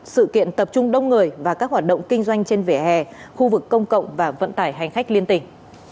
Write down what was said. sự kiện tập trung đông người và các hoạt động kinh doanh trên vẻ hè khu vực công cộng và vận tải hành khách liên tỉnh